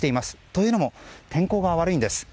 というのも天候が悪いんです。